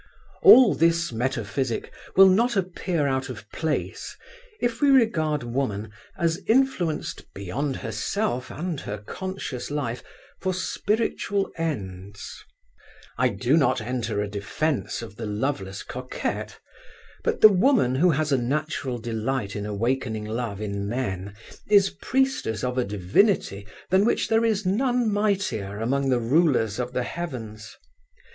All this metaphysic will not appear out of place if we regard women as influenced beyond herself and her conscious life for spiritual ends. I do not enter a defense of the loveless coquette, but the woman who has a natural delight in awakening love in men is priestess of a divinity than which there is none mightier among the rulers of the heavens.